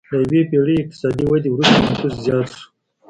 له یوې پېړۍ اقتصادي ودې وروسته نفوس زیات شو.